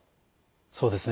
そうですね